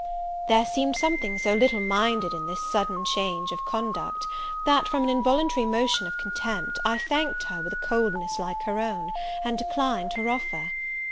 There seemed something so little minded in this sudden change of conduct, that, from an involuntary motion of contempt, I thanked her with a coldness like her own, and declined her offer.